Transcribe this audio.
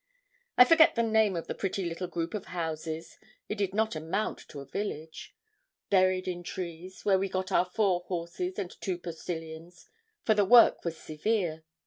I forget the name of the pretty little group of houses it did not amount to a village buried in trees, where we got our four horses and two postilions, for the work was severe.